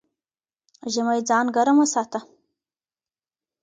ژمی ځان ګرم وساته